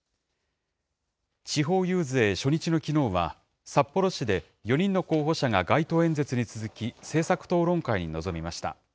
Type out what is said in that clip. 地方遊説初日のきのうは、札幌市で４人の候補者が街頭演説に続き、政策討論会に臨みました。